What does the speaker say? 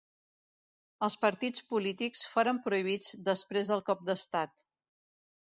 Els partits polítics foren prohibits després del cop d'estat.